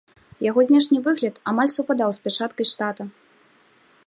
Яго знешні выгляд амаль супадаў з пячаткай штата.